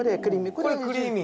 これクリーミー？